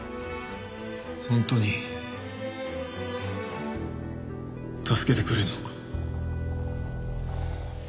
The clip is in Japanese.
本当に助けてくれるのか？